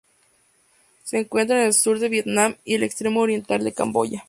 Se encuentra en el sur de Vietnam y el extremo oriental de Camboya.